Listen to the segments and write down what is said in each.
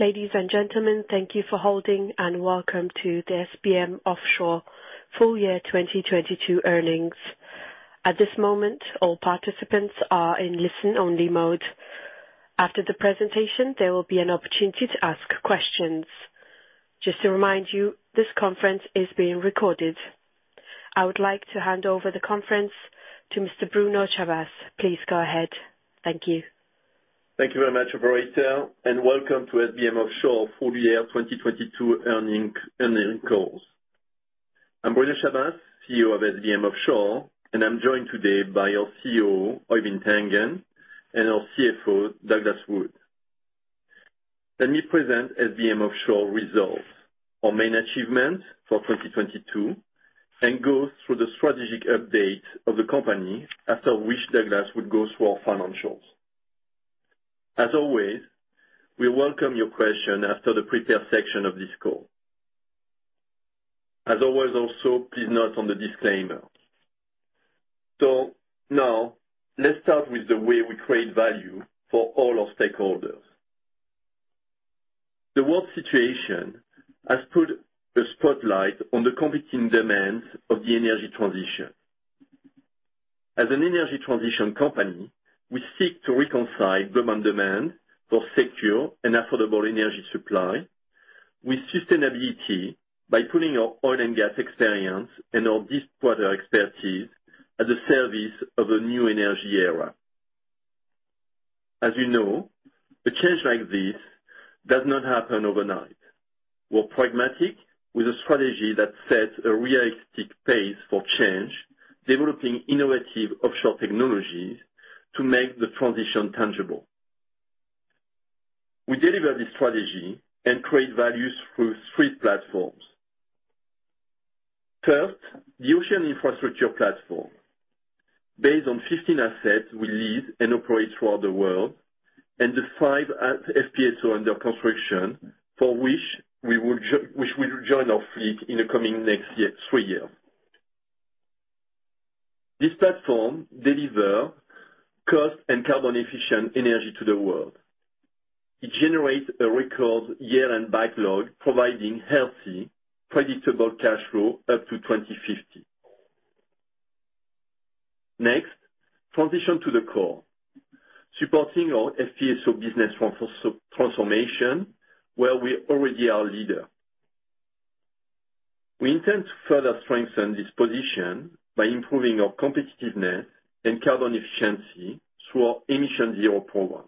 Ladies and gentlemen, thank you for holding and welcome to the SBM Offshore Full Year 2022 earnings. At this moment, all participants are in listen-only mode. After the presentation, there will be an opportunity to ask questions. Just to remind you, this conference is being recorded. I would like to hand over the conference to Mr. Bruno Chabas. Please go ahead. Thank you. Thank you very much, operator. Welcome to SBM Offshore Full Year 2022 earning calls. I'm Bruno Chabas, CEO of SBM Offshore, and I'm joined today by our CEO, Øyvind Tangen, and our CFO, Douglas Wood. Let me present SBM Offshore results, our main achievements for 2022, go through the strategic update of the company, after which Douglas Wood go through our financials. As always, we welcome your question after the prepared section of this call. As always also, please note on the disclaimer. Now let's start with the way we create value for all our stakeholders. The world situation has put a spotlight on the competing demands of the energy transition. As an energy transition company, we seek to reconcile government demand for secure and affordable energy supply with sustainability by putting our oil and gas experience and our deep-water expertise at the service of a new energy era. As you know, a change like this does not happen overnight. We're pragmatic with a strategy that sets a realistic pace for change, developing innovative offshore technologies to make the transition tangible. We deliver this strategy and create value through 3 platforms. First, the ocean infrastructure platform. Based on 15 assets we lead and operate throughout the world, and the 5 FPSO under construction which will join our fleet in the coming 3 years. This platform deliver cost and carbon efficient energy to the world. It generates a record year and backlog, providing healthy, predictable cash flow up to 2050. Next, transition to the core, supporting our FPSO business transformation, where we already are a leader. We intend to further strengthen this position by improving our competitiveness and carbon efficiency through our emissionZERO program.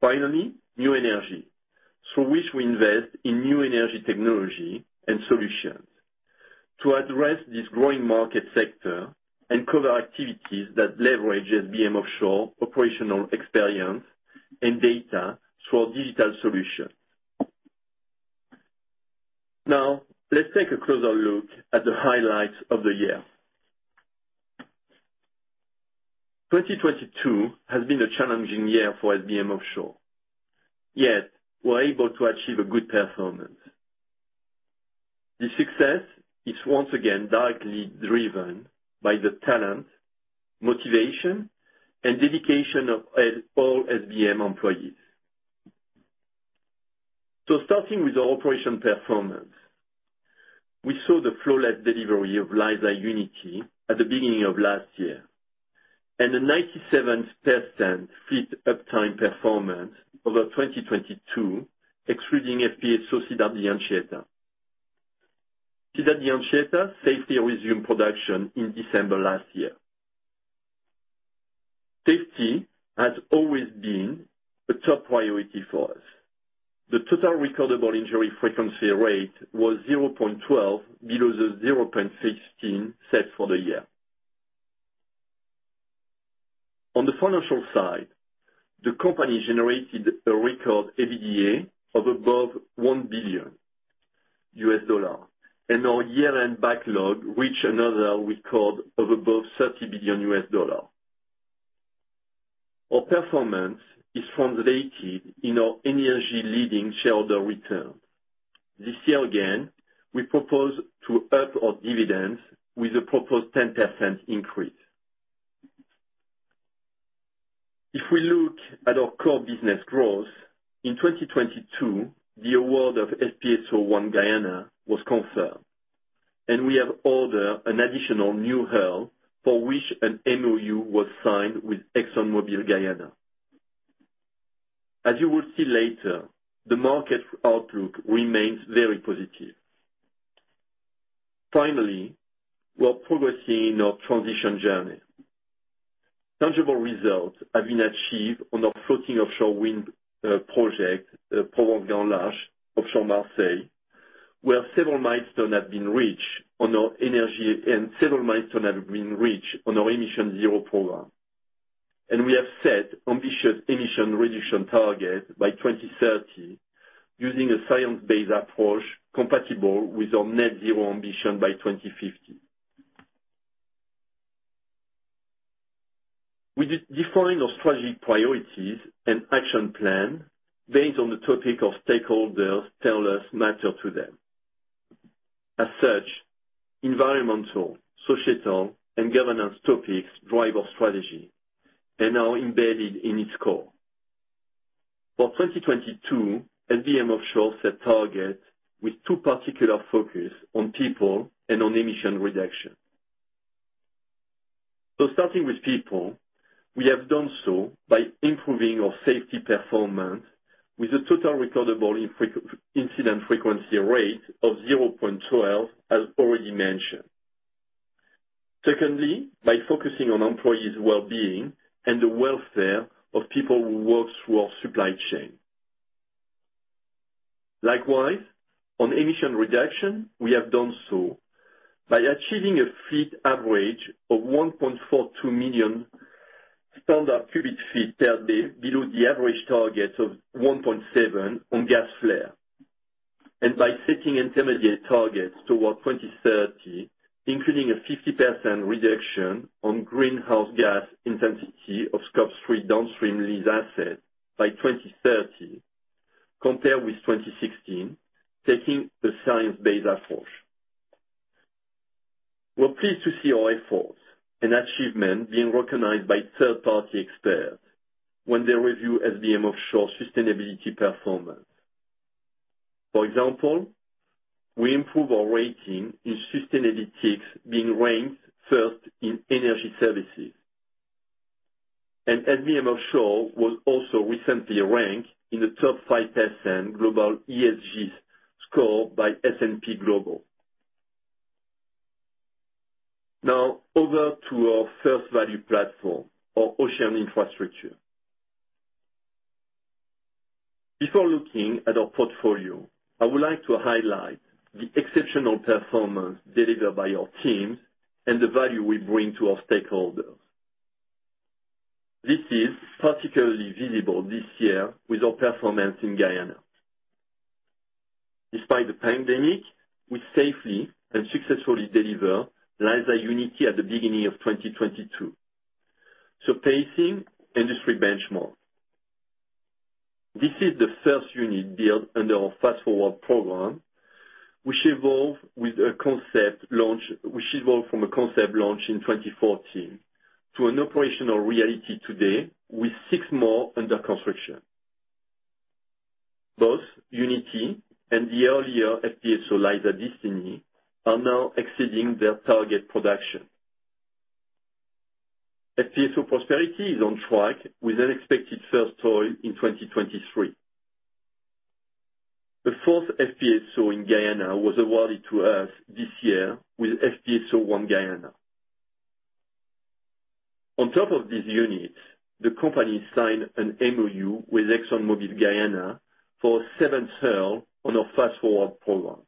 Finally, new energy, through which we invest in new energy technology and solutions to address this growing market sector and cover activities that leverage SBM Offshore operational experience and data through our digital solutions. Now, let's take a closer look at the highlights of the year. 2022 has been a challenging year for SBM Offshore, yet we're able to achieve a good performance. The success is once again directly driven by the talent, motivation, and dedication of all SBM employees. Starting with the operation performance, we saw the flawless delivery of Liza Unity at the beginning of last year, and a 97% fleet uptime performance over 2022, excluding FPSO Cidade de Anchieta. Cidade de Anchieta safely resume production in December last year. Safety has always been a top priority for us. The total recordable injury frequency rate was 0.12 below the 0.16 set for the year. On the financial side, the company generated a record EBITDA of above $1 billion, and our year-end backlog reached another record of above $30 billion. Our performance is translated in our energy leading shareholder return. This year, again, we propose to up our dividends with a proposed 10% increase. If we look at our core business growth, in 2022, the award of FPSO ONE GUYANA was confirmed, and we have ordered an additional new hull for which an MOU was signed with ExxonMobil Guyana. As you will see later, the market outlook remains very positive. Finally, we are progressing in our transition journey. Tangible results have been achieved on our floating offshore wind project, Provence Grand Large Offshore Marseille, where several milestones have been reached on our energy and several milestones have been reached on our emissionZERO program. We have set ambitious emission reduction target by 2030 using a science-based approach compatible with our net zero ambition by 2050. We de-define our strategic priorities and action plan based on the topic our stakeholders tell us matter to them. As such, environmental, societal, and governance topics drive our strategy and are embedded in its core. For 2022, SBM Offshore set targets with two particular focus on people and on emission reduction. Starting with people, we have done so by improving our safety performance with a total recordable incident frequency rate of 0.12, as already mentioned. Secondly, by focusing on employees' well-being and the welfare of people who work through our supply chain. Likewise, on emission reduction, we have done so by achieving a fleet average of 1.42 million standard cubic feet daily, below the average target of 1.7 on gas flare. By setting intermediate targets toward 2030, including a 50% reduction on greenhouse gas intensity of Scope 3 downstream lease assets by 2030, compared with 2016, taking a science-based approach. We're pleased to see our efforts and achievement being recognized by third-party experts when they review SBM Offshore sustainability performance. For example, we improve our rating in sustainability, being ranked first in energy services. SBM Offshore was also recently ranked in the top 5% global ESGs score by S&P Global. Now over to our first value platform, our ocean infrastructure. Before looking at our portfolio, I would like to highlight the exceptional performance delivered by our teams and the value we bring to our stakeholders. This is particularly visible this year with our performance in Guyana. Despite the pandemic, we safely and successfully deliver Liza Unity at the beginning of 2022, surpassing industry benchmark. This is the first unit built under our Fast4Ward program, which evolved from a concept launch in 2014 to an operational reality today with six more under construction. Both Unity and the earlier FPSO Liza Destiny are now exceeding their target production. FPSO Prosperity is on track with an expected first oil in 2023. The fourth FPSO in Guyana was awarded to us this year with FPSO ONE GUYANA. On top of these units, the company signed an MOU with ExxonMobil Guyana for a seventh hull on our Fast4Ward program.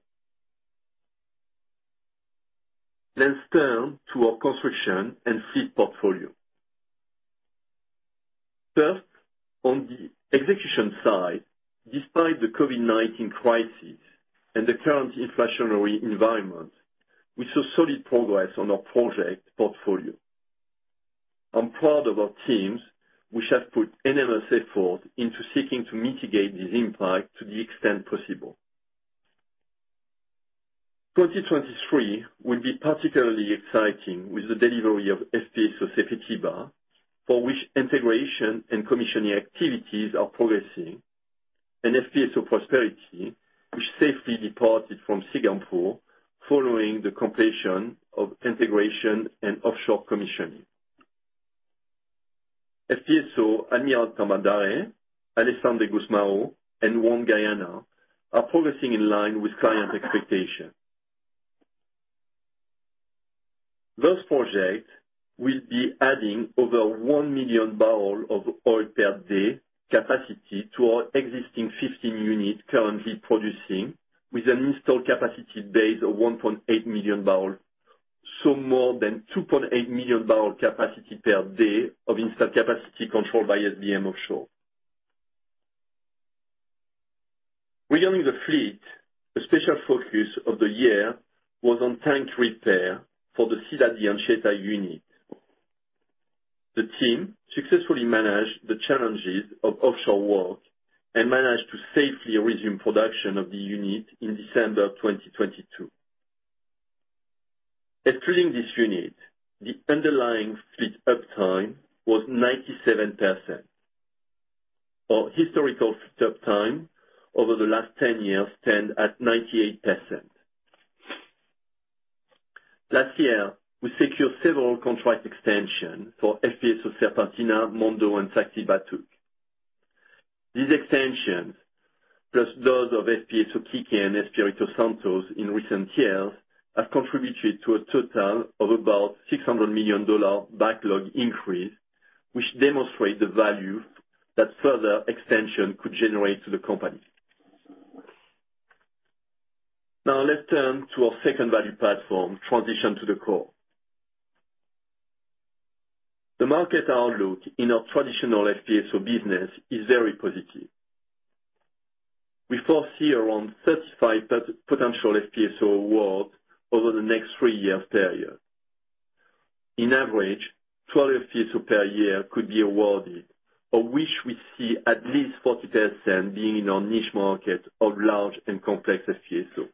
Let's turn to our construction and fleet portfolio. First, on the execution side, despite the COVID-19 crisis and the current inflationary environment, we saw solid progress on our project portfolio. I'm proud of our teams, which have put enormous effort into seeking to mitigate this impact to the extent possible. 2023 will be particularly exciting with the delivery of FPSO Sepetiba, for which integration and commissioning activities are progressing, and FPSO Prosperity, which safely departed from Singapore following the completion of integration and offshore commissioning. FPSO Almirante Tamandaré, Alexandre Gusmão, and FPSO ONE GUYANA are progressing in line with client expectation. Those projects will be adding over one million barrel of oil per day capacity to our existing 15 units currently producing, with an installed capacity base of 1.8 million barrel, so more than 2.8 million barrel capacity per day of installed capacity controlled by SBM Offshore. Regarding the fleet, a special focus of the year was on tank repair for the Cidade de Anchieta unit. The team successfully managed the challenges of offshore work and managed to safely resume production of the unit in December of 2022. Excluding this unit, the underlying fleet uptime was 97%. Our historical uptime over the last 10 years stand at 98%. Last year, we secured several contract extension for FPSO Serpentina, FPSO Mondo, and Saxi Batuque. These extensions, plus those of FPSO Kikeh and FPSO Espírito Santo in recent years, have contributed to a total of about $600 million backlog increase, which demonstrate the value that further extension could generate to the company. Let's turn to our second value platform, transition to the core. The market outlook in our traditional FPSO business is very positive. We foresee around 35 potential FPSO awards over the next three year period. In average, 12 FPSO per year could be awarded, of which we see at least 40% being in our niche market of large and complex FPSO.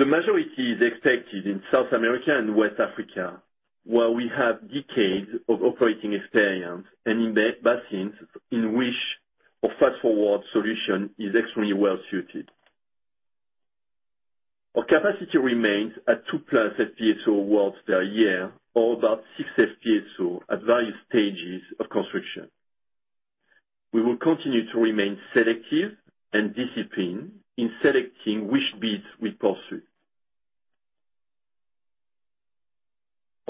The majority is expected in South America and West Africa, where we have decades of operating experience and in the basins in which our Fast4Ward solution is extremely well-suited. Our capacity remains at 2+ FPSO awards per year, or about 6 FPSO at various stages of construction. We will continue to remain selective and disciplined in selecting which bids we pursue.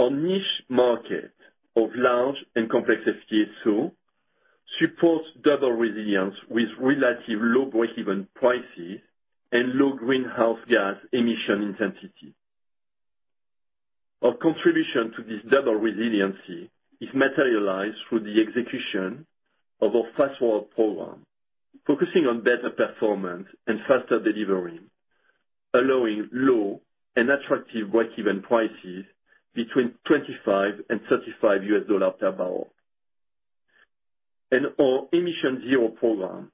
Our niche market of large and complex FPSO supports double resilience with relative low breakeven prices and low greenhouse gas emission intensity. Our contribution to this double resiliency is materialized through the execution of our Fast4Ward program, focusing on better performance and faster delivery, allowing low and attractive breakeven prices between $25 and $35 per barrel. Our emissionZERO program,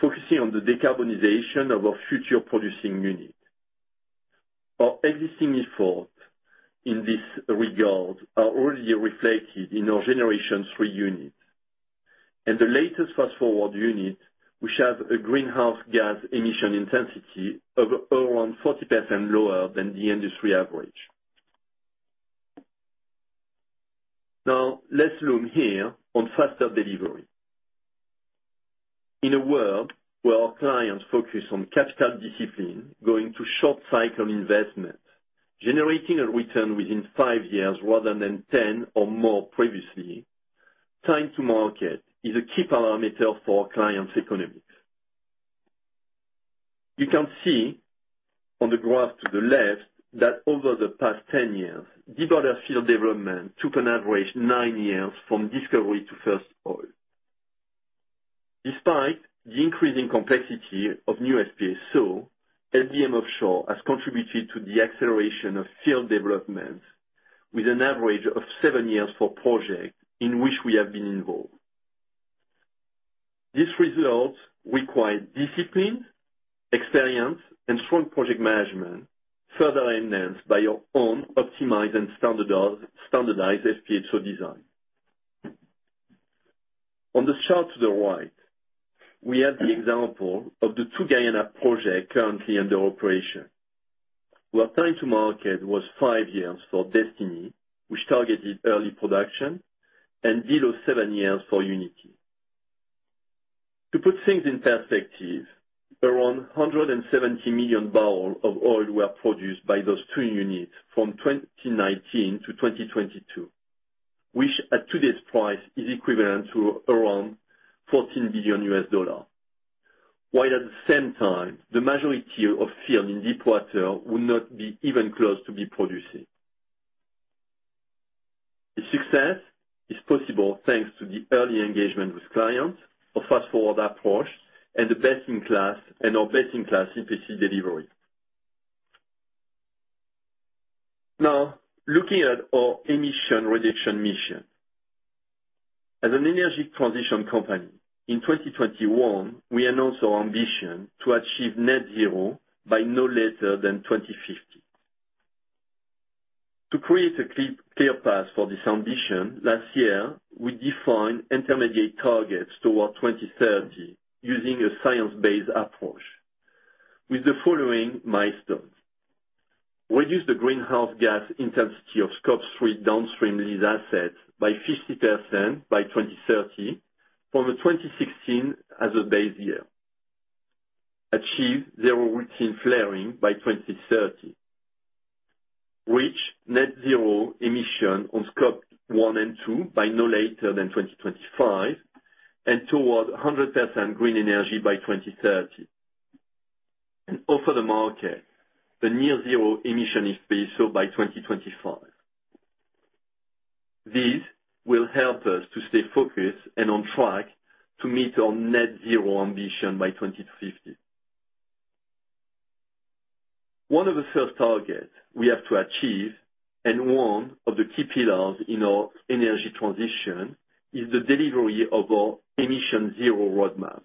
focusing on the decarbonization of our future producing unit. Our existing effort in this regard are already reflected in our Generation three units. The latest Fast4Ward unit, which has a greenhouse gas emission intensity of around 40% lower than the industry average. Let's zoom here on faster delivery. In a world where our clients focus on capital discipline, going to short cycle investment, generating a return within five years rather than 10 or more previously, time to market is a key parameter for clients economics. You can see on the graph to the left that over the past 10 years, deepwater field development took an average nine years from discovery to first oil. Despite the increasing complexity of new FPSO, SBM Offshore has contributed to the acceleration of field developments with an average of seven years for project in which we have been involved. These results require discipline, experience, and strong project management, further enhanced by our own optimized and standardized FPSO design. On the chart to the right, we have the example of the two Guyana projects currently under operation, where time to market was five years for Destiny, which targeted early production, and below seve years for Unity. To put things in perspective, around 170 million barrels of oil were produced by those two units from 2019 to 2022, which at today's price is equivalent to around $14 billion. At the same time, the majority of fields in deepwater would not be even close to be producing. The success is possible thanks to the early engagement with clients, our Fast4Ward approach, and our best-in-class EPC delivery. Looking at our emission reduction mission. As an energy transition company, in 2021, we announced our ambition to achieve net zero by no later than 2050. To create a clear path for this ambition, last year, we defined intermediate targets toward 2030 using a science-based approach with the following milestones. Reduce the greenhouse gas intensity of Scope three downstream lease assets by 50% by 2030 from the 2016 as a base year. Achieve zero routine flaring by 2030. Reach net zero emission on Scope one and two by no later than 2025, and toward 100% green energy by 2030. Offer the market the near zero emission FPSO by 2025. These will help us to stay focused and on track to meet our net zero ambition by 2050. One of the first target we have to achieve, and one of the key pillars in our energy transition, is the delivery of our emissionZERO roadmap.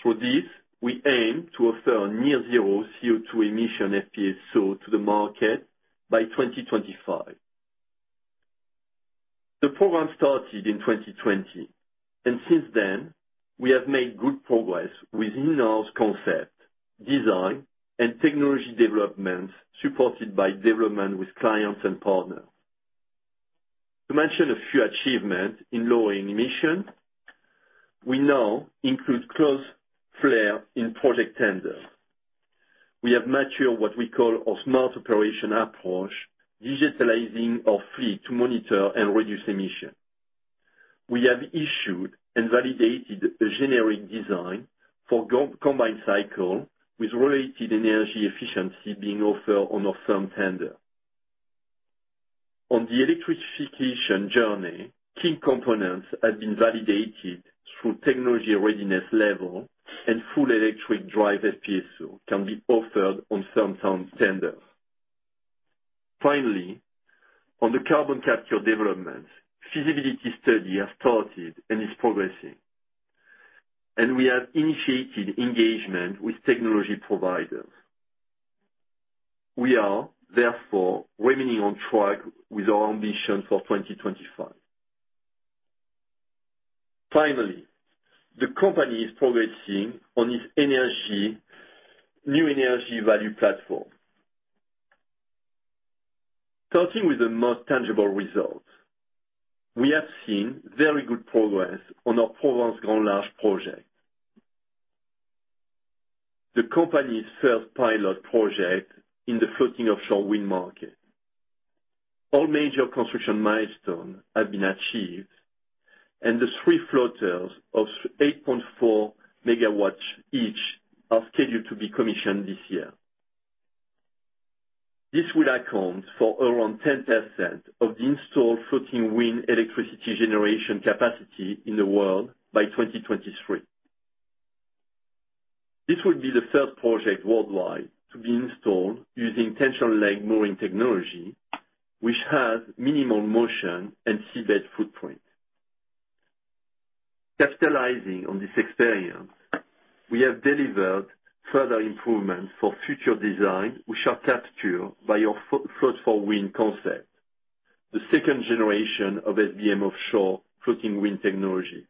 Through this, we aim to offer near zero CO2 emission FPSO to the market by 2025. The program started in 2020, and since then we have made good progress with in-house concept, design, and technology developments supported by development with clients and partners. To mention a few achievements in lowering emission, we now include close flare in project tenders. We have matured what we call our smart operation approach, digitalizing our fleet to monitor and reduce emission. We have issued and validated a generic design for go- combined cycle with related energy efficiency being offered on our firm tender. On the electrification journey, key components have been validated through Technology Readiness Level and full electric drive FPSO can be offered on some tender. Finally, on the carbon capture development, feasibility study has started and is progressing, and we have initiated engagement with technology providers. We are therefore remaining on track with our ambition for 2025. The company is progressing on its energy, new energy value platform. Starting with the most tangible results, we have seen very good progress on the Provence Grand Large project. The company's first pilot project in the floating offshore wind market. All major construction milestones have been achieved, and the three floaters of 8.4 MW each are scheduled to be commissioned this year. This will account for around 10% of the installed floating wind electricity generation capacity in the world by 2023. This will be the first project worldwide to be installed using tension leg mooring technology, which has minimal motion and seabed footprint. Capitalizing on this experience, we have delivered further improvements for future design, which are captured by your Float4Wind concept, the second generation of SBM Offshore floating wind technology.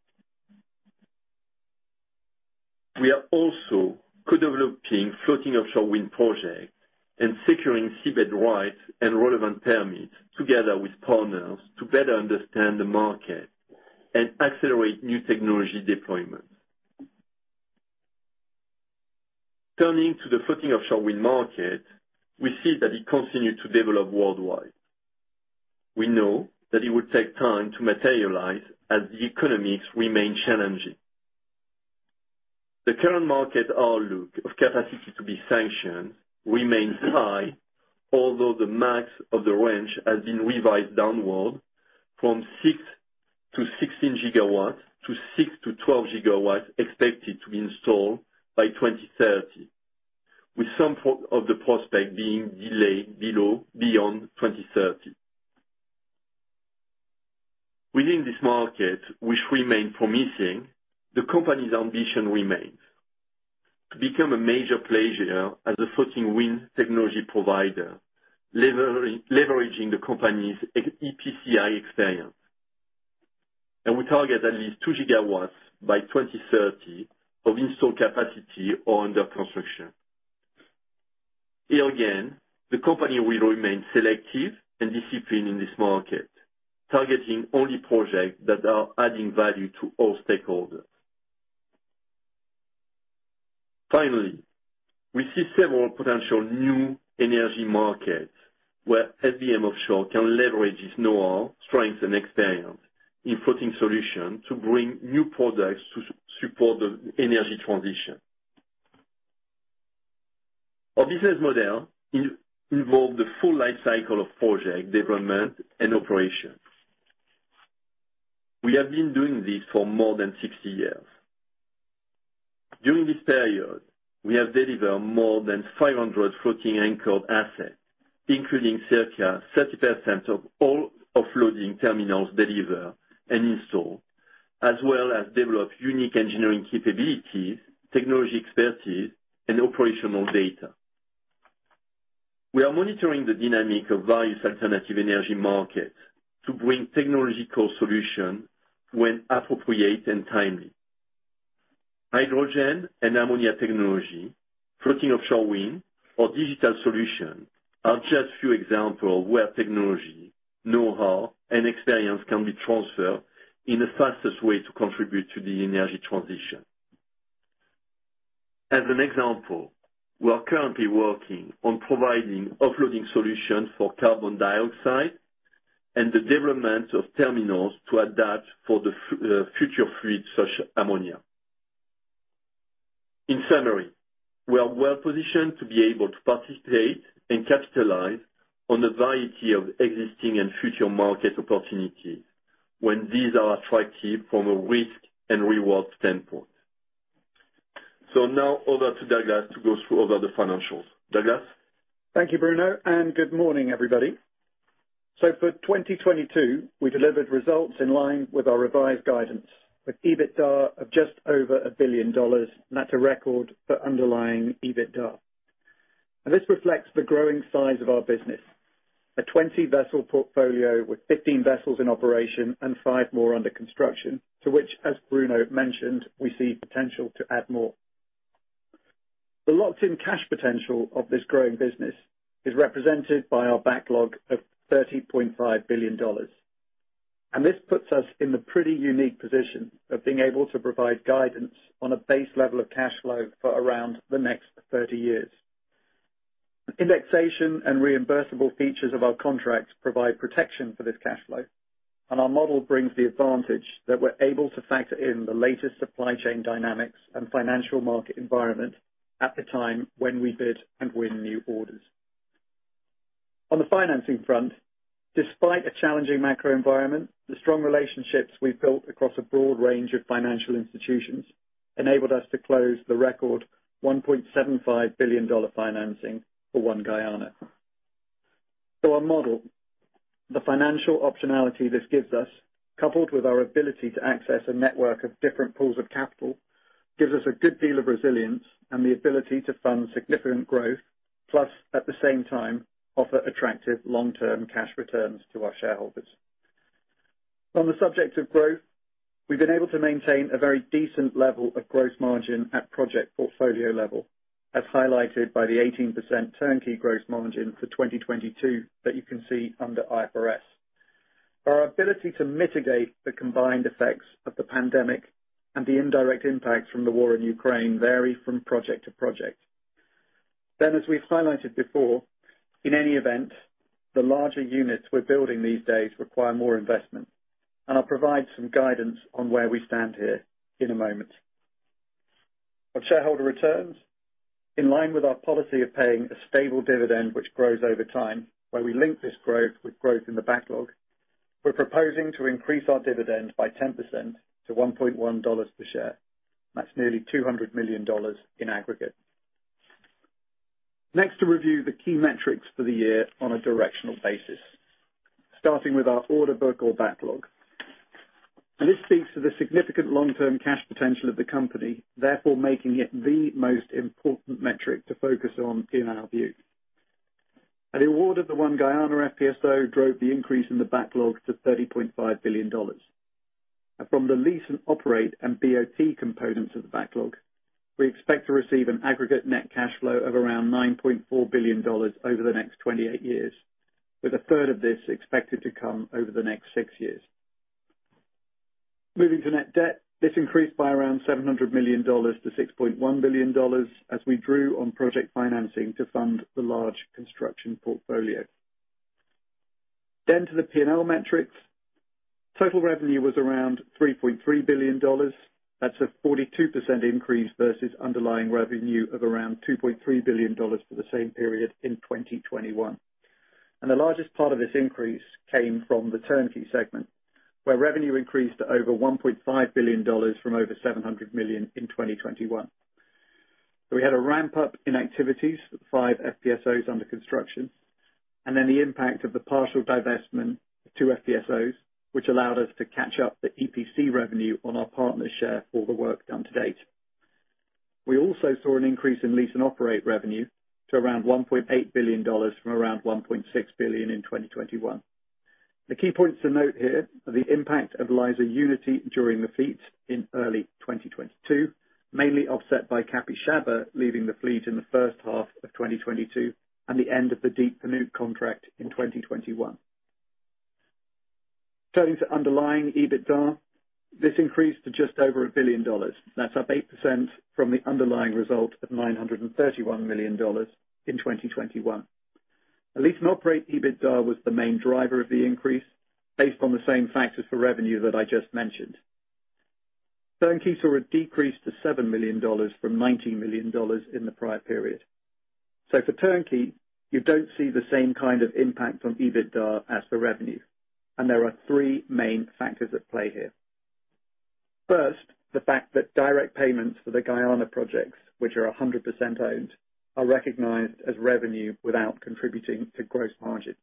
We are also co-developing floating offshore wind projects and securing seabed rights and relevant permits together with partners to better understand the market and accelerate new technology deployments. Turning to the floating offshore wind market, we see that it continued to develop worldwide. We know that it will take time to materialize as the economics remain challenging. The current market outlook of capacity to be sanctioned remains high, although the max of the range has been revised downward from six-16 GW to six-12 GW expected to be installed by 2030, with some form of the prospect being delayed beyond 2030. Within this market, which remains promising, the company's ambition remains. To become a major player as a floating wind technology provider, leveraging the company's EPCI experience. We target at least two GW by 2030 of installed capacity or under construction. The company will remain selective and disciplined in this market, targeting only projects that are adding value to all stakeholders. Finally, we see several potential new energy markets where SBM Offshore can leverage its know-how, strengths, and experience in floating solutions to bring new products to support the energy transition. Our business model involves the full life cycle of project development and operations. We have been doing this for more than 60 years. During this period, we have delivered more than 500 floating anchored assets, including circa 30% of all offloading terminals delivered and installed, as well as developed unique engineering capabilities, technology expertise, and operational data. We are monitoring the dynamic of various alternative energy markets to bring technological solutions when appropriate and timely. Hydrogen and ammonia technology, floating offshore wind or digital solutions are just few examples where technology, know-how, and experience can be transferred in the fastest way to contribute to the energy transition. As an example, we are currently working on providing offloading solutions for carbon dioxide and the development of terminals to adapt for the future fluids such ammonia. In summary, we are well positioned to be able to participate and capitalize on the variety of existing and future market opportunities when these are attractive from a risk and reward standpoint. Now over to Douglas to go through over the financials. Douglas? Thank you, Bruno, and good morning, everybody. For 2022, we delivered results in line with our revised guidance, with EBITDA of just over $1 billion. That's a record for underlying EBITDA. This reflects the growing size of our business, a 20-vessel portfolio with 15 vessels in operation and five more under construction, to which, as Bruno mentioned, we see potential to add more. The locked-in cash potential of this growing business is represented by our backlog of $30.5 billion. This puts us in the pretty unique position of being able to provide guidance on a base level of cash flow for around the next 30 years. Indexation and reimbursable features of our contracts provide protection for this cash flow. Our model brings the advantage that we're able to factor in the latest supply chain dynamics and financial market environment at the time when we bid and win new orders. On the financing front, despite a challenging macro environment, the strong relationships we've built across a broad range of financial institutions enabled us to close the record $1.75 billion financing for ONE GUYANA. Our model, the financial optionality this gives us, coupled with our ability to access a network of different pools of capital, gives us a good deal of resilience and the ability to fund significant growth, plus, at the same time, offer attractive long-term cash returns to our shareholders. On the subject of growth, we've been able to maintain a very decent level of gross margin at project portfolio level, as highlighted by the 18% turnkey gross margin for 2022 that you can see under IFRS. Our ability to mitigate the combined effects of the pandemic and the indirect impact from the war in Ukraine vary from project to project. As we've highlighted before, in any event, the larger units we're building these days require more investment, and I'll provide some guidance on where we stand here in a moment. On shareholder returns, in line with our policy of paying a stable dividend which grows over time, where we link this growth with growth in the backlog, we're proposing to increase our dividend by 10% to $1.1 per share. That's nearly $200 million in aggregate. Next, to review the key metrics for the year on a directional basis, starting with our order book or backlog. This speaks to the significant long-term cash potential of the company, therefore making it the most important metric to focus on in our view. The award of the FPSO ONE GUYANA drove the increase in the backlog to $35 billion. From the lease and operate and BOT components of the backlog, we expect to receive an aggregate net cash flow of around $9.4 billion over the next 28 years, with a third of this expected to come over the next six years. Moving to net debt, this increased by around $700 million to $6.1 billion as we drew on project financing to fund the large construction portfolio. To the P&L metrics. Total revenue was around $3.3 billion. That's a 42% increase versus underlying revenue of around $2.3 billion for the same period in 2021. The largest part of this increase came from the turnkey segment, where revenue increased to over $1.5 billion from over $700 million in 2021. We had a ramp-up in activities, five FPSOs under construction, and then the impact of the partial divestment of two FPSOs, which allowed us to catch up the EPC revenue on our partner's share for the work done to date. We also saw an increase in lease and operate revenue to around $1.8 billion from around 1.6 billion in 2021. The key points to note here are the impact of Liza Unity during the fleet in early 2022, mainly offset by Capixaba leaving the fleet in the first half of 2022 and the end of the Deep Panuke contract in 2021. Turning to underlying EBITDA, this increased to just over $1 billion. That's up 8% from the underlying result of $931 million in 2021. Lease and operate EBITDA was the main driver of the increase based on the same factors for revenue that I just mentioned. Turnkey saw a decrease to $7 million from $19 million in the prior period. For turnkey, you don't see the same kind of impact from EBITDA as for revenue, and there are three main factors at play here. The fact that direct payments for the Guyana projects, which are 100% owned, are recognized as revenue without contributing to gross margin.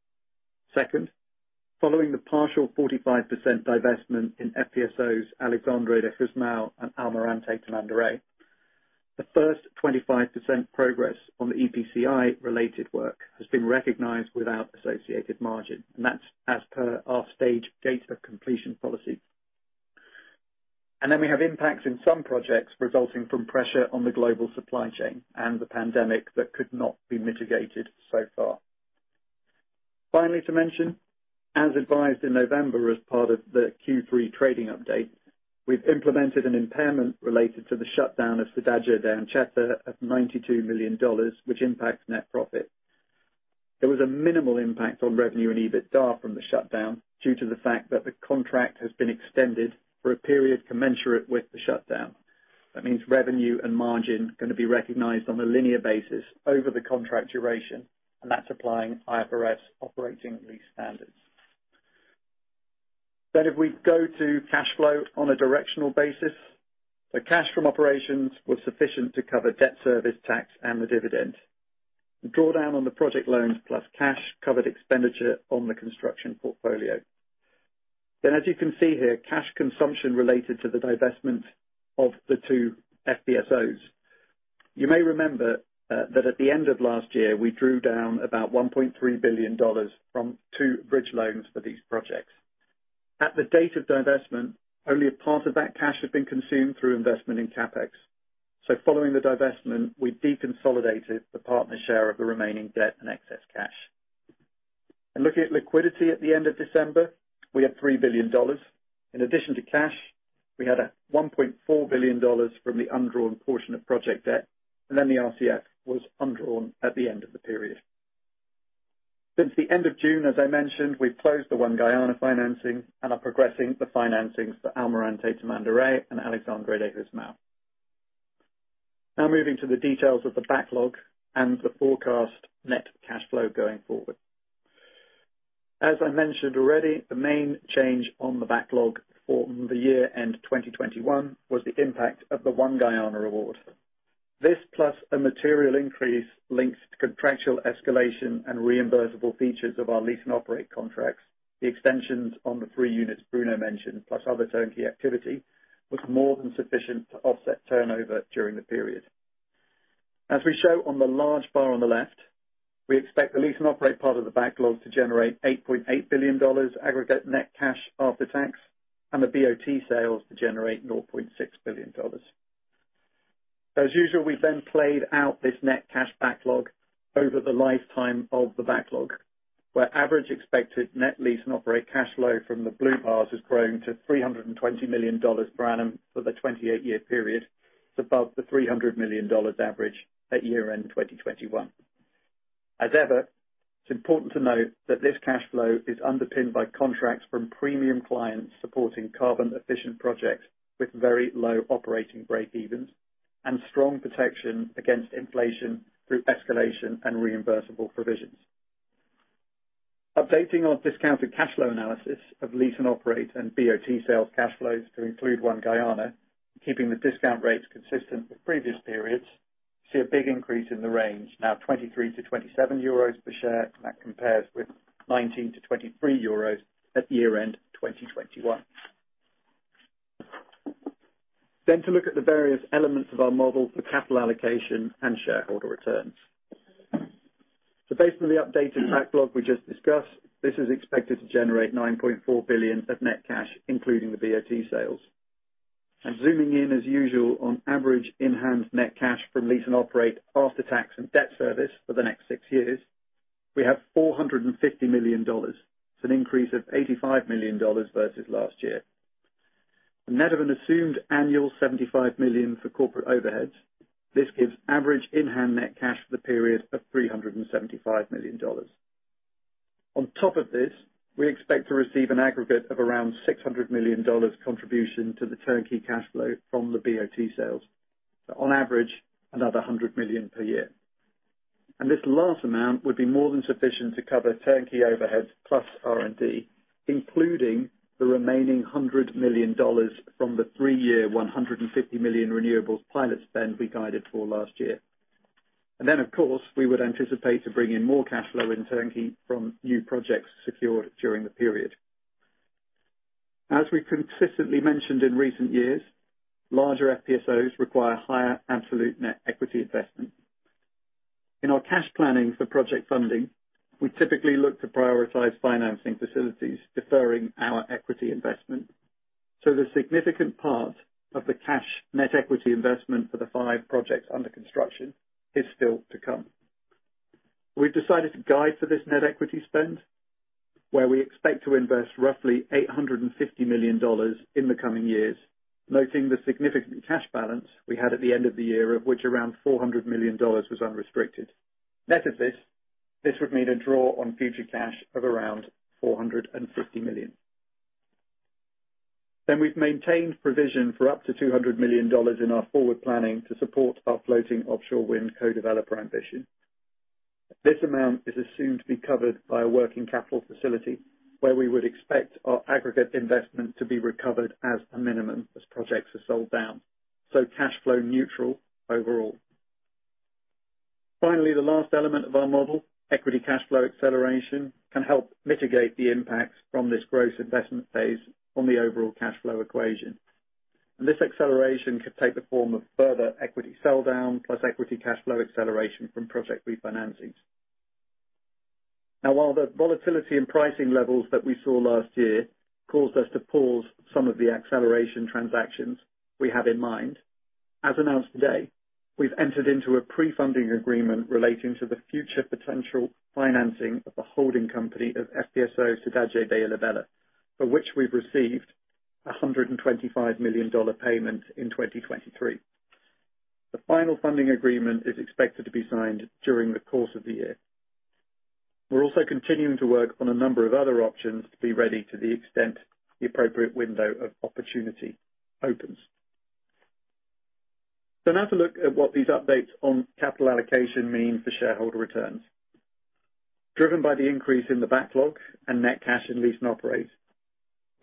Following the partial 45% divestment in FPSOs Alexandre de Gusmão and Almirante Tamandaré, the first 25% progress on the EPCI-related work has been recognized without associated margin, and that's as per our stage gates of completion policy. We have impacts in some projects resulting from pressure on the global supply chain and the pandemic that could not be mitigated so far. To mention, as advised in November as part of the Q3 trading update, we've implemented an impairment related to the shutdown of Cidade de Anchieta of $92 million, which impacts net profit. There was a minimal impact on revenue and EBITDA from the shutdown due to the fact that the contract has been extended for a period commensurate with the shutdown. That means revenue and margin gonna be recognized on a linear basis over the contract duration, and that's applying IFRS operating lease standards. If we go to cash flow on a directional basis, the cash from operations was sufficient to cover debt service tax and the dividend. The drawdown on the project loans plus cash covered expenditure on the construction portfolio. As you can see here, cash consumption related to the divestment of the two FPSOs. You may remember that at the end of last year, we drew down about $1.3 billion from two bridge loans for these projects. At the date of divestment, only a part of that cash had been consumed through investment in CapEx. Following the divestment, we deconsolidated the partner share of the remaining debt and excess cash. Looking at liquidity at the end of December, we had $3 billion. We had a $1.4 billion from the undrawn portion of project debt, the RCF was undrawn at the end of the period. Since the end of June, as I mentioned, we closed the ONE GUYANAfinancing and are progressing the financings for Almirante Tamandaré and FPSO Alexandre de Gusmão. Moving to the details of the backlog and the forecast net cash flow going forward. As I mentioned already, the main change on the backlog for the year end 2021 was the impact of the ONE GUYANA award. This plus a material increase linked to contractual escalation and reimbursable features of our lease and operate contracts, the extensions on the three units Bruno mentioned, plus other turnkey activity, was more than sufficient to offset turnover during the period. As we show on the large bar on the left, we expect the lease and operate part of the backlog to generate $8.8 billion aggregate net cash after tax and the BOT sales to generate $0.6 billion. As usual, we played out this net cash backlog over the lifetime of the backlog, where average expected net lease and operate cash flow from the blue bars has grown to $320 million per annum for the 28-year period above the $300 million average at year end 2021. It's important to note that this cash flow is underpinned by contracts from premium clients supporting carbon efficient projects with very low operating break-evens and strong protection against inflation through escalation and reimbursable provisions. Updating our discounted cash flow analysis of lease and operate and BOT sales cash flows to include ONE GUYANA, keeping the discount rates consistent with previous periods, see a big increase in the range, now 23-27 euros per share. That compares with 19-23 euros at year-end 2021. To look at the various elements of our model for capital allocation and shareholder returns. Based on the updated backlog we just discussed, this is expected to generate $9.4 billion of net cash, including the BOT sales. Zooming in as usual on average enhanced net cash from lease and operate after tax and debt service for the next six years, we have $450 million. It's an increase of $85 million versus last year. Net of an assumed annual 75 million for corporate overheads, this gives average in-hand net cash for the period of $375 million. On top of this, we expect to receive an aggregate of around $600 million contribution to the turnkey cash flow from the BOT sales. On average, another 100 million per year. This last amount would be more than sufficient to cover turnkey overheads plus R&D, including the remaining $100 million from the three year 150 million renewables pilot spend we guided for last year. Of course, we would anticipate to bring in more cash flow in turnkey from new projects secured during the period. As we consistently mentioned in recent years, larger FPSOs require higher absolute net equity investment. In our cash planning for project funding, we typically look to prioritize financing facilities, deferring our equity investment. The significant part of the cash net equity investment for the five projects under construction is still to come. We've decided to guide for this net equity spend, where we expect to invest roughly $850 million in the coming years, noting the significant cash balance we had at the end of the year, of which around $400 million was unrestricted. Net of this would mean a draw on future cash of around 450 million. We've maintained provision for up to $200 million in our forward planning to support our floating offshore wind co-developer ambition. This amount is assumed to be covered by a working capital facility where we would expect our aggregate investment to be recovered as a minimum as projects are sold down. Cash flow neutral overall. Finally, the last element of our model, equity cash flow acceleration, can help mitigate the impacts from this gross investment phase on the overall cash flow equation. This acceleration could take the form of further equity sell down plus equity cash flow acceleration from project refinancings. While the volatility in pricing levels that we saw last year caused us to pause some of the acceleration transactions we have in mind, as announced today, we've entered into a pre-funding agreement relating to the future potential financing of the holding company of FPSO Cidade de Ilhabela, for which we've received a $125 million payment in 2023. The final funding agreement is expected to be signed during the course of the year. We're also continuing to work on a number of other options to be ready to the extent the appropriate window of opportunity opens. Now to look at what these updates on capital allocation mean for shareholder returns. Driven by the increase in the backlog and net cash in lease and operates,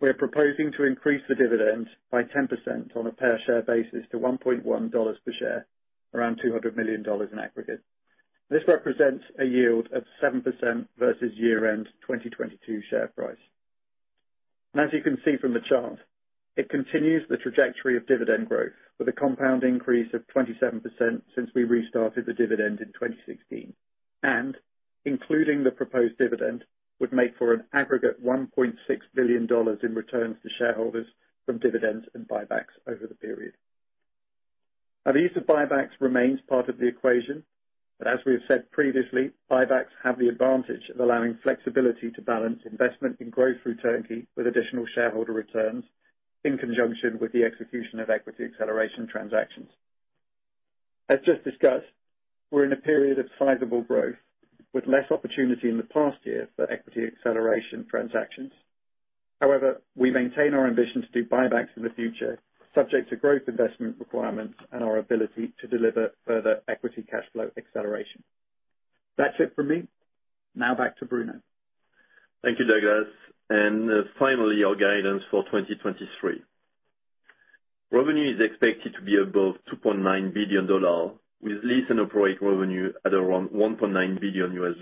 we are proposing to increase the dividend by 10% on a per share basis to $1.1 per share, around $200 million in aggregate. This represents a yield of 7% versus year end 2022 share price. As you can see from the chart, it continues the trajectory of dividend growth with a compound increase of 27% since we restarted the dividend in 2016, including the proposed dividend, would make for an aggregate $1.6 billion in returns to shareholders from dividends and buybacks over the period. The use of buybacks remains part of the equation, but as we have said previously, buybacks have the advantage of allowing flexibility to balance investment in growth through turnkey with additional shareholder returns in conjunction with the execution of equity acceleration transactions. As just discussed, we're in a period of sizable growth with less opportunity in the past year for equity acceleration transactions. However, we maintain our ambition to do buybacks in the future, subject to growth investment requirements and our ability to deliver further equity cash flow acceleration. That's it for me. Now back to Bruno. Thank you, Douglas. Finally, our guidance for 2023. Revenue is expected to be above $2.9 billion, with lease and operate revenue at around $1.9 billion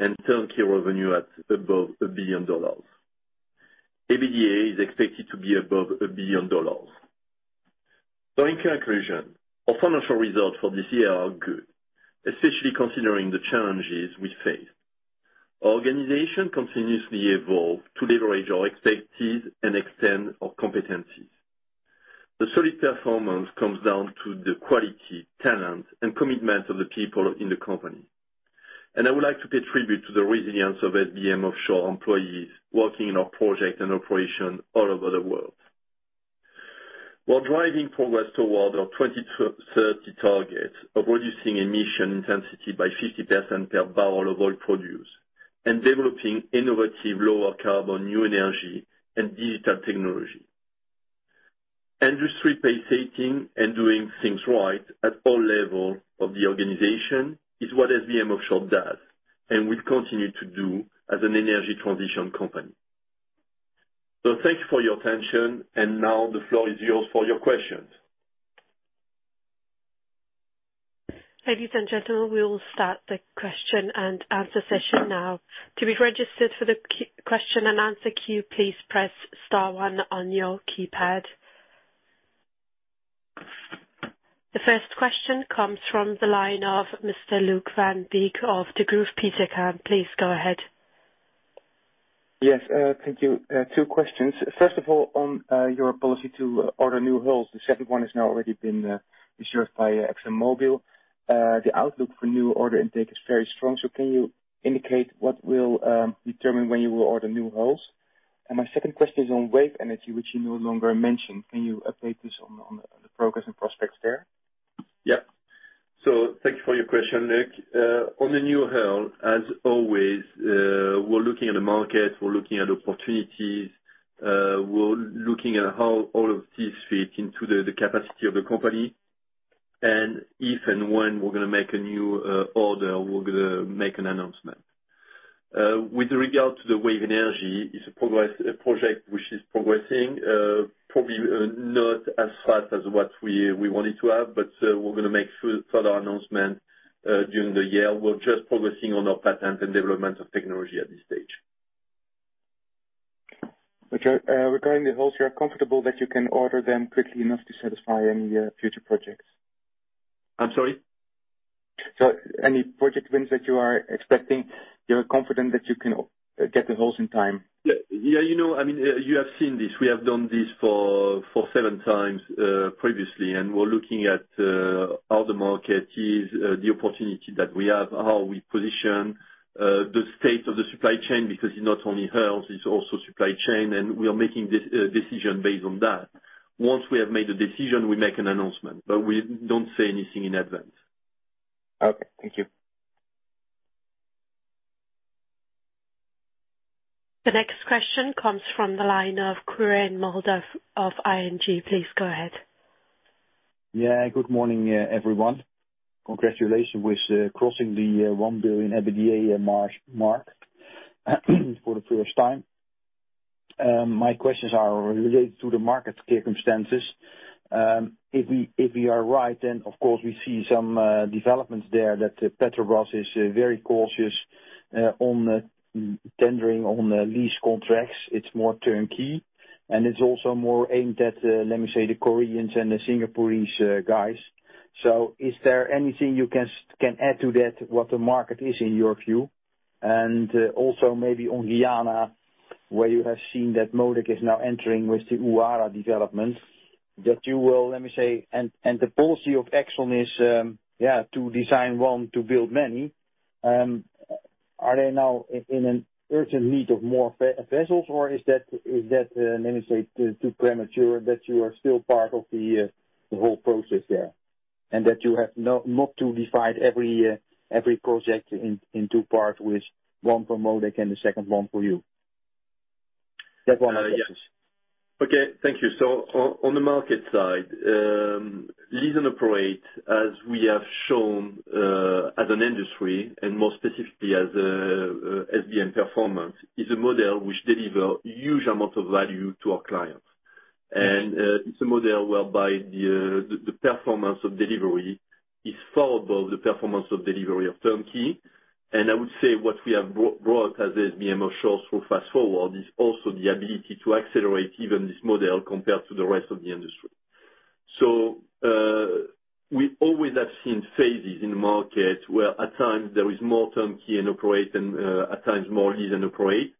and turnkey revenue at above $1 billion. EBITDA is expected to be above $1 billion. In conclusion, our financial results for this year are good, especially considering the challenges we face. Our organization continuously evolve to leverage our expertise and extend our competencies. The solid performance comes down to the quality, talent, and commitment of the people in the company. I would like to pay tribute to the resilience of SBM Offshore employees working in our project and operation all over the world. While driving progress toward our 30 target of reducing emission intensity by 50% per barrel of oil produced and developing innovative lower carbon new energy and digital technology. Industry pacesetting and doing things right at all levels of the organization is what SBM Offshore does and will continue to do as an energy transition company. Thank you for your attention. Now the floor is yours for your questions. Ladies and gentlemen, we will start the question and answer session now. To be registered for the question and answer queue, please press star 1 on your keypad. The first question comes from the line of Mr. Luuk van Beek of Degroof Petercam. Please go ahead. Yes, thank you. Two questions. First of all, on your policy to order new hulls. The second one has now already been insured by ExxonMobil. The outlook for new order intake is very strong. Can you indicate what will determine when you will order new hulls? My second question is on wave energy, which you no longer mention. Can you update us on the progress and prospects there? Thank you for your question, Luke. On the new hull, as always, we're looking at the market, we're looking at opportunities, we're looking at how all of these fit into the capacity of the company, and if and when we're gonna make a new, order, we're gonna make an announcement. With regard to the wave energy, it's a project which is progressing, probably, not as fast as what we wanted to have, but, we're gonna make further announcement, during the year. We're just progressing on our patent and development of technology at this stage. Okay. Regarding the hulls, you are comfortable that you can order them quickly enough to satisfy any future projects? I'm sorry? Any project wins that you are expecting, you're confident that you can get the hulls in time? Yeah. You know, I mean, you have seen this. We have done this for seven times, previously. We're looking at how the market is, the opportunity that we have, how we position the state of the supply chain, because it's not only hulls, it's also supply chain. We are making this decision based on that. Once we have made a decision, we make an announcement, but we don't say anything in advance. Okay. Thank you. The next question comes from the line of Quirijn Mulder of ING. Please go ahead. Good morning, everyone. Congratulations with crossing the 1 billion EBITDA March mark for the first time. My questions are related to the market circumstances. If we, if we are right, then of course we see some developments there that Petrobras is very cautious on tendering on the lease contracts. It's more turnkey, and it's also more aimed at, let me say, the Koreans and the Singaporese guys. Is there anything you can add to that, what the market is in your view? Also maybe on Guyana, where you have seen that MODEC is now entering with the Uaru development, that you will, let me say... And the policy of Exxon is, yeah, to design one, to build many. Are they now in an urgent need of more vessels, or is that, is that, let me say, too premature, that you are still part of the whole process there, and that you have not to divide every project into parts with one for MODEC and the second one for you? That's one question. Yes. Okay. Thank you. On the market side, lease and operate, as we have shown, as an industry and more specifically as SBM performance, is a model which deliver huge amount of value to our clients. It's a model whereby the performance of delivery is far above the performance of delivery of turnkey. I would say what we have brought as SBM Offshore through Fast4Ward is also the ability to accelerate even this model compared to the rest of the industry. We always have seen phases in the market where at times there is more turnkey and operate and at times more lease and operate.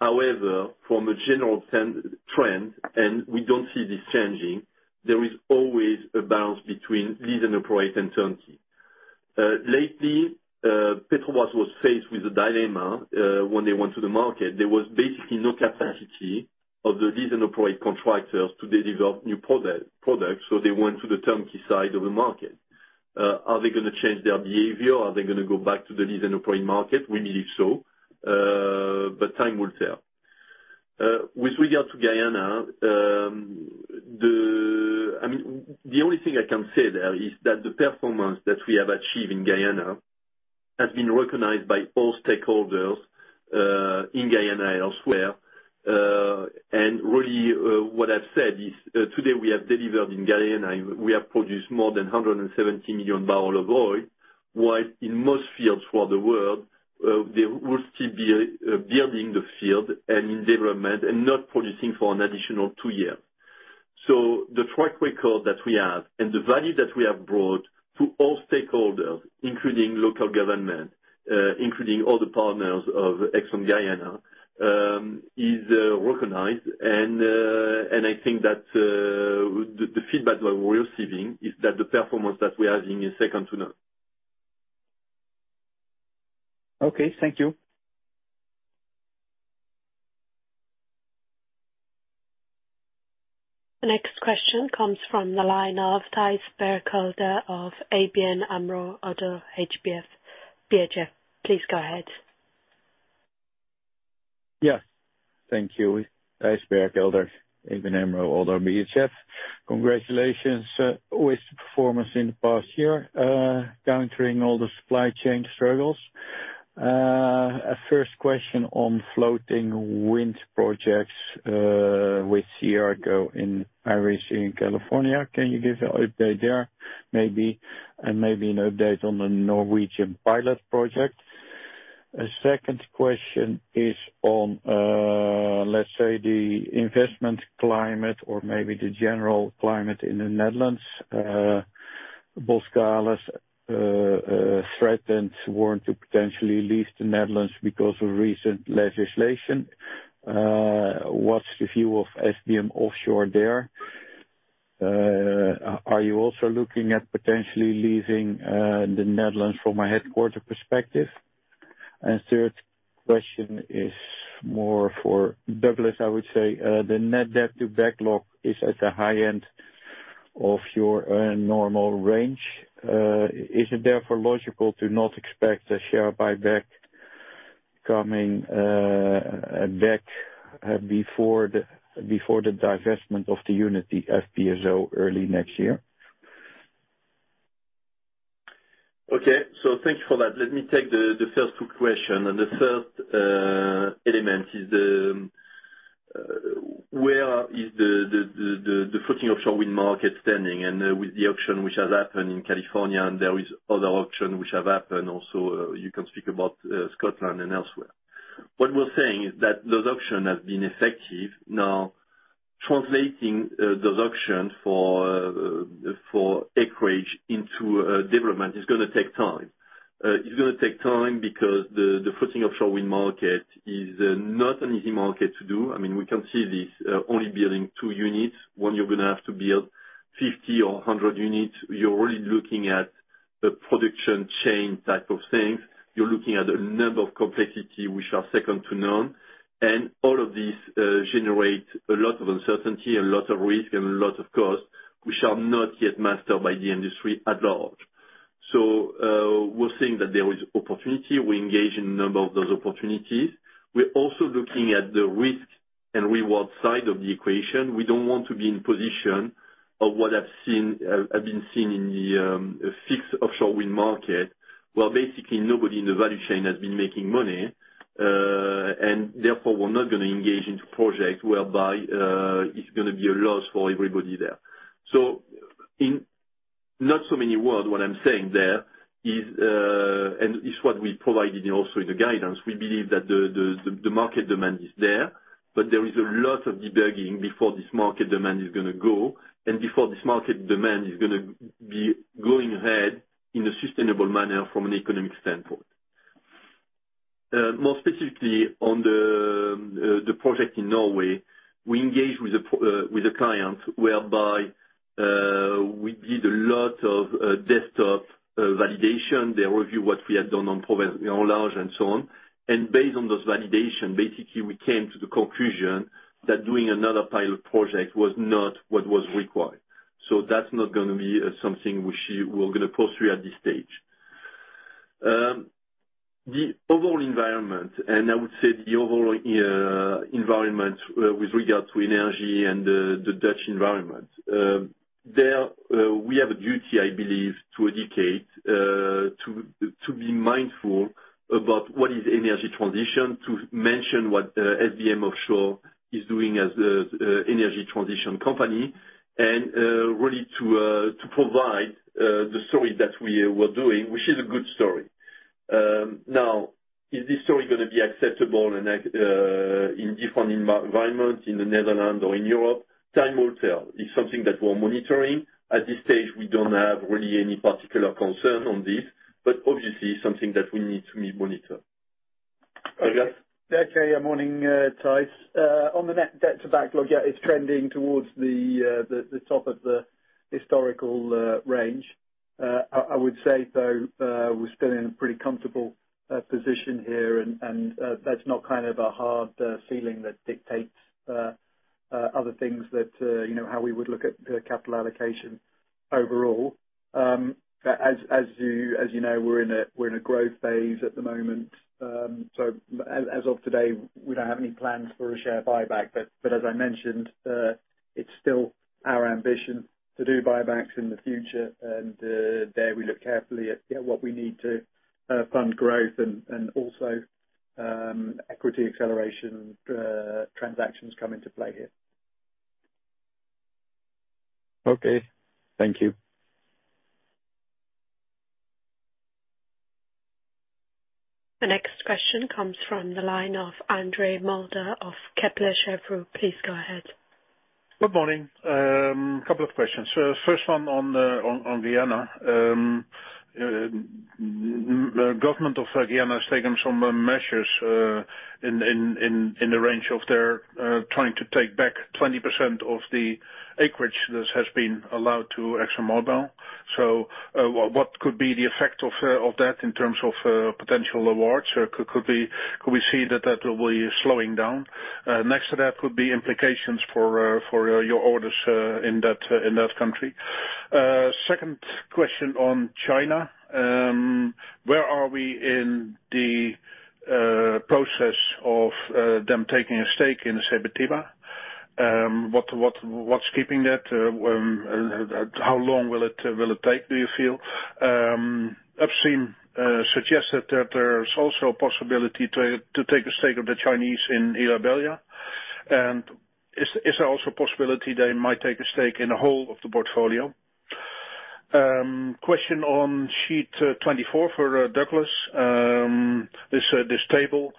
However, from a general trend, and we don't see this changing, there is always a balance between lease and operate and turnkey. Lately, Petrobras was faced with a dilemma when they went to the market. There was basically no capacity of the lease and operate contractors to develop new products, so they went to the turnkey side of the market. Are they gonna change their behavior? Are they gonna go back to the lease and operate market? We believe so, but time will tell. With regard to Guyana, I mean, the only thing I can say there is that the performance that we have achieved in Guyana has been recognized by all stakeholders in Guyana and elsewhere. And really, what I've said is today we have delivered in Guyana. We have produced more than 170 million barrel of oil, while in most fields for the world, they will still be building the field and in development and not producing for an additional two years. The track record that we have and the value that we have brought to all stakeholders, including local government, including all the partners of Exxon Guyana, is recognized. I think that the feedback that we're receiving is that the performance that we are having is second to none. Okay. Thank you. The next question comes from the line of Thijs Berkelder of ABN AMRO, ODDO BHF. Please go ahead. Yes. Thank you. Thijs Berkelder, ABN AMRO, ODDO BHF. Congratulations, with the performance in the past year, countering all the supply chain struggles. A first question on floating wind projects, with Cerulean Winds in Irish Sea and California. Can you give an update there maybe, and maybe an update on the Norwegian pilot project? A second question is on, let's say, the investment climate or maybe the general climate in the Netherlands. Boskalis threatened war to potentially leave the Netherlands because of recent legislation. What's the view of SBM Offshore there? Are you also looking at potentially leaving the Netherlands from a headquarter perspective? Third question is more for Douglas, I would say. The net debt to backlog is at the high end of your normal range. is it therefore logical to not expect a share buyback coming back before the divestment of the unit, the FPSO, early next year? Okay. Thank you for that. Let me take the first two question. The first element is, where is the floating offshore wind market standing? With the auction which has happened in California, and there is other auction which have happened also, you can speak about Scotland and elsewhere. What we're saying is that those auction have been effective. Translating those auctions for acreage into development is gonna take time. It's gonna take time because the floating offshore wind market is not an easy market to do. I mean, we can see this only building two units. When you're gonna have to build 50 or 100 units, you're really looking at the production chain type of things. You're looking at a number of complexity which are second to none. All of these generate a lot of uncertainty, a lot of risk, and a lot of costs which are not yet mastered by the industry at large. We're seeing that there is opportunity. We engage in a number of those opportunities. We're also looking at the risk and reward side of the equation. We don't want to be in position of what I've seen in the fixed offshore wind market, where basically nobody in the value chain has been making money. Therefore, we're not gonna engage into projects whereby it's gonna be a loss for everybody there. In not so many words, what I'm saying there is, and it's what we provided also in the guidance, we believe that the market demand is there, but there is a lot of debugging before this market demand is gonna go and before this market demand is gonna be going ahead in a sustainable manner from an economic standpoint. More specifically on the project in Norway, we engaged with the client whereby we did a lot of desktop validation. They review what we had done on Provence and so on. Based on those validation, basically we came to the conclusion that doing another pilot project was not what was required. That's not gonna be something which we're gonna pursue at this stage. The overall environment, I would say the overall environment with regard to energy and the Dutch environment, there we have a duty, I believe, to educate, to be mindful about what is energy transition, to mention what SBM Offshore is doing as an energy transition company, and really to provide the story that we are doing, which is a good story. Is this story gonna be acceptable in different environments in the Netherlands or in Europe? Time will tell. It's something that we're monitoring. At this stage, we don't have really any particular concern on this, obviously it's something that we need to monitor. Morning, Thijs. On the net debt to backlog, it's trending towards the top of the historical range. I would say though, we're still in a pretty comfortable position here, and that's not kind of a hard ceiling that dictates other things that, you know, how we would look at the capital allocation overall. As you know, we're in a growth phase at the moment. As of today, we don't have any plans for a share buyback, but as I mentioned, it's still our ambition to do buybacks in the future. There we look carefully at, you know, what we need to fund growth and also equity acceleration transactions come into play here. Okay, thank you. The next question comes from the line of Andre Mulder of Kepler Cheuvreux. Please go ahead. Good morning. Couple of questions. First one on Guyana. The government of Guyana has taken some measures in the range of their trying to take back 20% of the acreage that has been allowed to ExxonMobil. What could be the effect of that in terms of potential awards? Could we see that that will be slowing down? Next to that could be implications for your orders in that country. Second question on China. Where are we in the process of them taking a stake in the Sepetiba? What's keeping that? How long will it take do you feel? I've seen suggested that there's also a possibility to take a stake of the Chinese in Ilhabela? Is there also a possibility they might take a stake in the whole of the portfolio? Question on sheet 24 for Douglas. This table,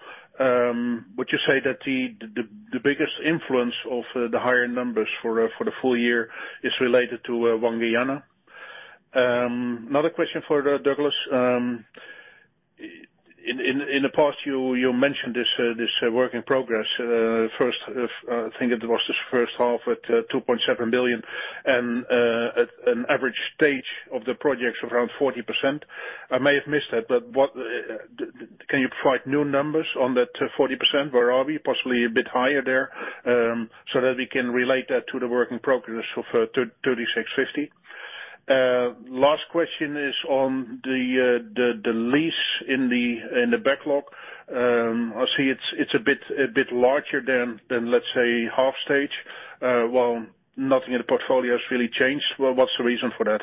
would you say that the biggest influence of the higher numbers for the full year is related to Guyana? Another question for Douglas. In the past, you mentioned this work in progress. First, I think it was this first half at 2.7 billion and at an average stage of the projects of around 40%. I may have missed that, but what? Can you provide new numbers on that 40%? Where are we? Possibly a bit higher there, so that we can relate that to the work in progress of 3,650. Last question is on the lease in the backlog. I see it's a bit larger than let's say half stage, while nothing in the portfolio has really changed. What's the reason for that?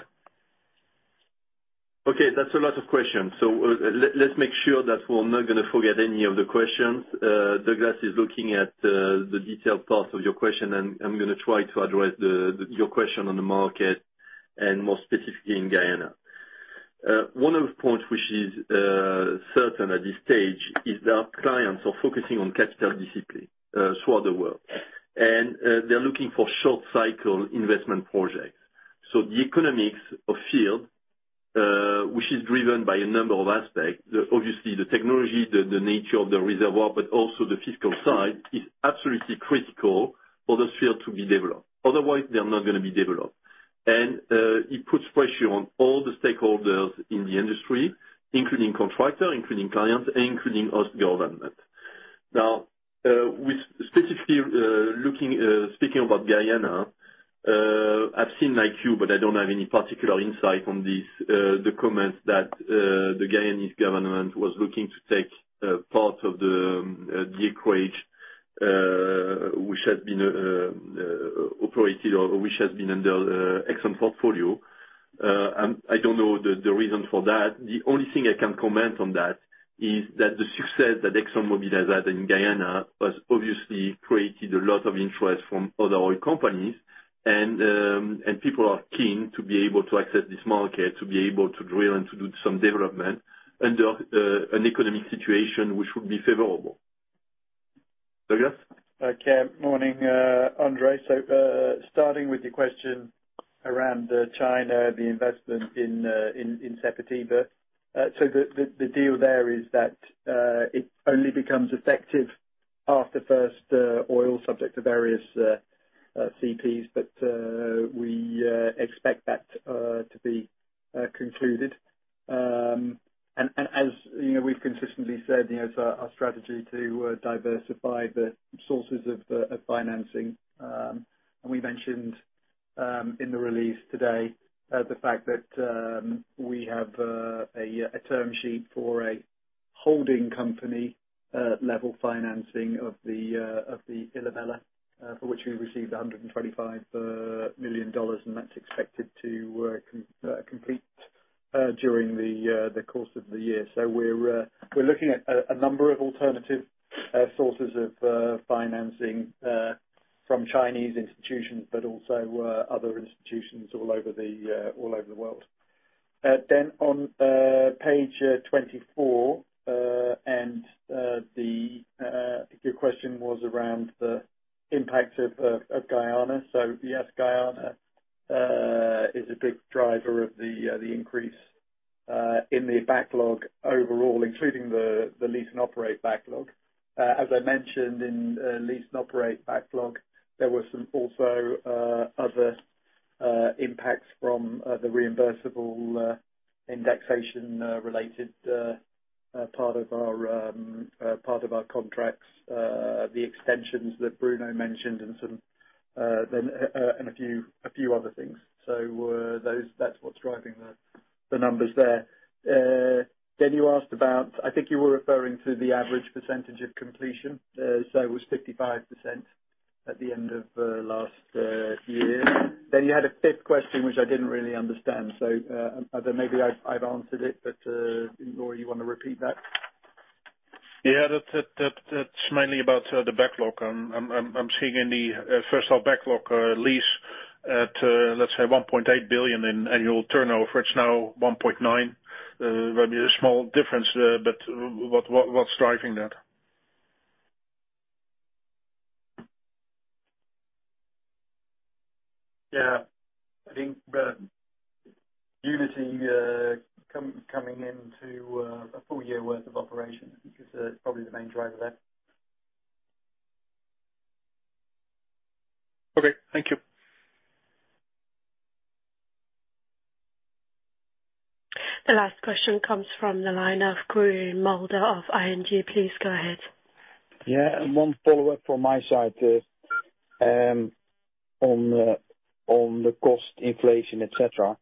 Okay. That's a lot of questions. Let's make sure that we're not gonna forget any of the questions. Douglas is looking at the detailed part of your question, and I'm gonna try to address your question on the market and more specifically in Guyana. One of the points which is certain at this stage is that clients are focusing on capital discipline throughout the world. They're looking for short cycle investment projects. The economics of field, which is driven by a number of aspects, obviously the technology, the nature of the reservoir, but also the fiscal side, is absolutely critical for this field to be developed. Otherwise, they're not gonna be developed. It puts pressure on all the stakeholders in the industry, including contractor, including clients, including U.S. government. With specifically looking speaking about Guyana, I've seen like you, but I don't have any particular insight on this, the comments that the Guyanese government was looking to take a part of the acreage which had been operated or which has been under Exxon portfolio. I don't know the reason for that. The only thing I can comment on that is that the success that ExxonMobil has had in Guyana has obviously created a lot of interest from other oil companies and people are keen to be able to access this market, to be able to drill and to do some development under an economic situation which would be favorable. Douglas? Okay. Morning, Andre. Starting with your question around China, the investment in Sepetiba. The deal there is that it only becomes effective after first oil subject to various CPs, we expect that to be concluded. And as, you know, we've consistently said, you know, it's our strategy to diversify the sources of financing. And we mentioned in the release today the fact that we have a term sheet for a holding company level financing of the Ilhabela, for which we received $125 million, and that's expected to complete during the course of the year. We're looking at a number of alternative sources of financing from Chinese institutions, but also other institutions all over the world. On page 24, I think your question was around the impact of Guyana. Yes, Guyana is a big driver of the increase in the backlog overall, including the lease and operate backlog. As I mentioned in lease and operate backlog, there were some also other impacts from the reimbursable indexation related part of our part of our contracts, the extensions that Bruno mentioned and some then and a few other things. That's what's driving the numbers there. I think you were referring to the average percentage of completion. It was 55% at the end of last year. You had a fifth question, which I didn't really understand. Maybe I've answered it, Laurie, you wanna repeat that? Yeah. That's mainly about the backlog. I'm seeing in the first half backlog lease at let's say 1.8 billion in annual turnover. It's now 1.9 billion. Maybe a small difference. What's driving that? Yeah. I think the Liza Unity, coming into a full year worth of operation is probably the main driver there. Okay. Thank you. The last question comes from the line of Curry Mulder of ING. Please go ahead. Yeah. One follow up from my side on the cost inflation, et cetera.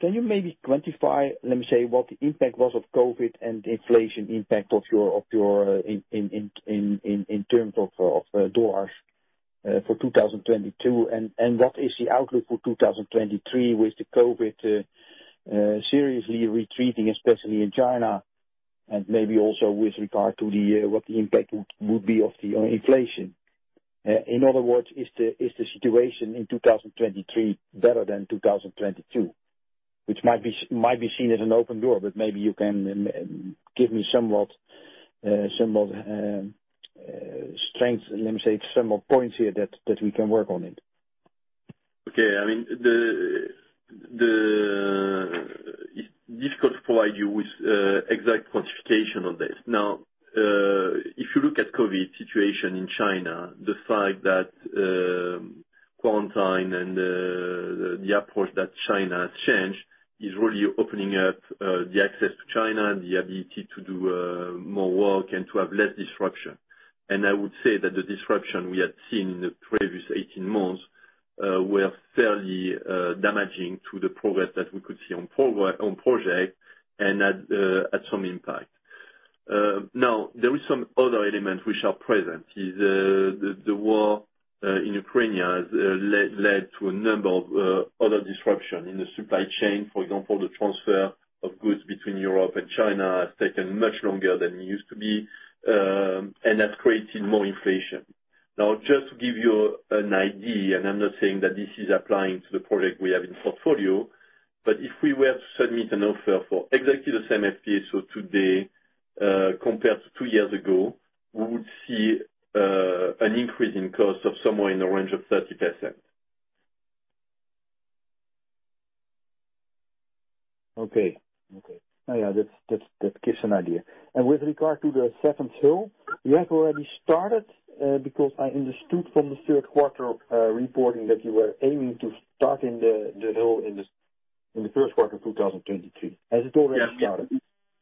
Can you maybe quantify, let me say, what the impact was of COVID and inflation impact of your in terms of dollars for 2022? What is the outlook for 2023 with the COVID seriously retreating, especially in China, and maybe also with regard to what the impact would be of the inflation. In other words, is the situation in 2023 better than 2022? Which might be seen as an open door, but maybe you can give me somewhat strength, let me say, somewhat points here that we can work on it. Okay. I mean, it's difficult to provide you with exact quantification of this. Now, if you look at COVID situation in China, the fact that quarantine and the approach that China has changed is really opening up the access to China, the ability to do more work and to have less disruption. I would say that the disruption we had seen in the previous 18 months were fairly damaging to the progress that we could see on project and had some impact. Now there is some other elements which are present. The war in Ukraine has led to a number of other disruption in the supply chain. For example, the transfer of goods between Europe and China has taken much longer than it used to be, and has created more inflation. Just to give you an idea, and I'm not saying that this is applying to the project we have in portfolio, but if we were to submit an offer for exactly the same FPSO today, compared to two years ago, we would see an increase in cost of somewhere in the range of 30%. Okay. Okay. Yeah, that's, that gives an idea. With regard to the seventh hull, you have already started, because I understood from the third quarter reporting that you were aiming to start in the hill in the first quarter of 2022. Has it already started?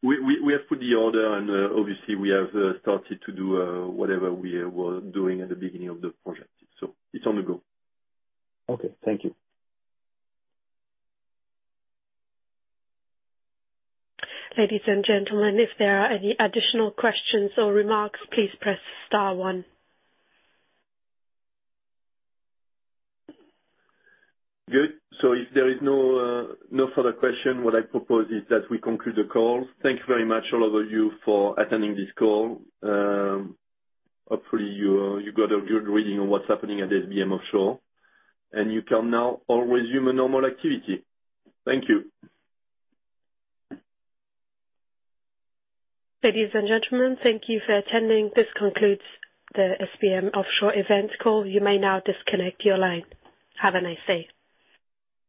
We have put the order and obviously we have started to do whatever we were doing at the beginning of the project. It's on the go. Okay. Thank you. Ladies and gentlemen, if there are any additional questions or remarks, please press star one. Good. If there is no further question, what I propose is that we conclude the call. Thank you very much all over you for attending this call. Hopefully you got a good reading on what's happening at SBM Offshore, and you can now all resume a normal activity. Thank you. Ladies and gentlemen, thank you for attending. This concludes the SBM Offshore event call. You may now disconnect your line. Have a nice day.